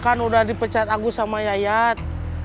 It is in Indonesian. kan udah dipecat agus sama yayat